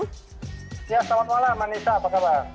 selamat malam manisa apa kabar